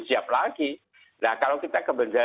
siap lagi nah kalau kita